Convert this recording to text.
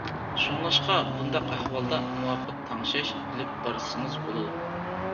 شۇڭلاشقا بۇنداق ئەھۋالدا مۇۋاپىق تەڭشەش ئېلىپ بارسىڭىز بولىدۇ.